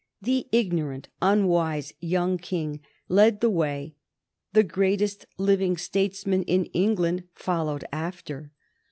The ignorant, unwise young King led the way, the greatest living statesman in England followed after.